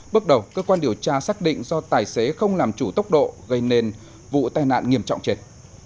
bước đầu cơ quan điều tra xác định do tài xế không làm chủ tốc độ gây nên vụ tai nạn nghiêm trọng chết